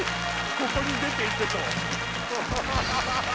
ここに出て行けと。ハハハ！